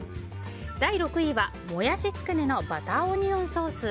第６位は、モヤシつくねのバターオニオンソース。